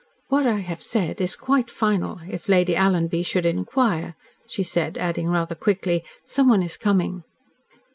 "What I have said is quite final if Lady Alanby should inquire," she said adding rather quickly, "Someone is coming."